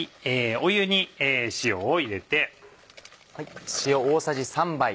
湯に塩を入れて。